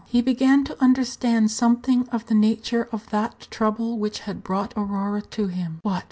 He began to understand something of the nature of that trouble which had brought Aurora to him. "What!